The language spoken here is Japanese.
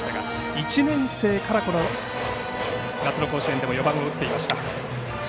１年生から、この夏の甲子園でも４番を打っていました。